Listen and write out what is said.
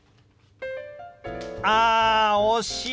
あ惜しい！